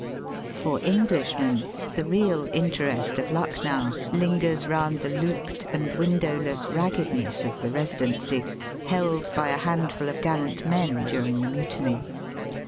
For Englishmen the real interest of Lucknow Ungers round the looped and win dowless raggedness of the Eesidency, held by a handful of gallant men during the mutiny.